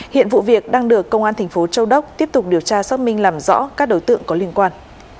hiện vụ việc đang được công an thành phố châu đốc tiếp tục điều tra xác minh làm rõ các đối tượng có liên quan